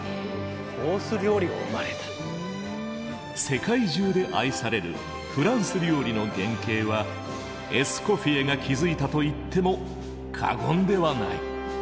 世界中で愛されるフランス料理の原型はエスコフィエが築いたと言っても過言ではない。